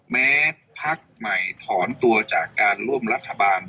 พักใหม่ถอนตัวจากการร่วมรัฐบาล